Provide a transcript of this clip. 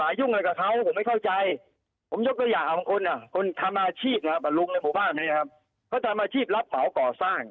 อ่ะลุงในหมู่บ้านนี้นะครับเขาทำอาชีพรับเบาเกาะสร้าง